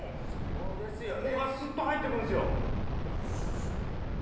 ここがスッと入って来るんですよ。